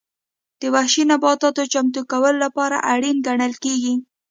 د وحشي نباتاتو چمتو کولو لپاره اړین ګڼل کېږي.